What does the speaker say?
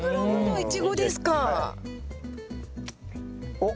おっ。